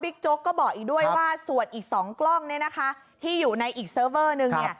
บิ๊กโจ๊กก็บอกอีกด้วยว่าส่วนอีก๒กล้องที่อยู่ในอีกเซิร์ฟเวอร์หนึ่ง